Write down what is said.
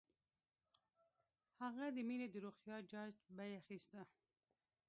هغه د مينې د روغتيا جاج به یې اخيسته